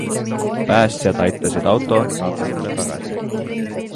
Päästjad aitasid auto ratastele tagasi.